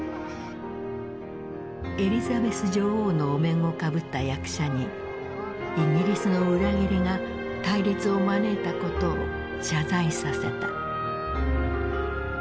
エリザベス女王のお面をかぶった役者にイギリスの裏切りが対立を招いたことを謝罪させた。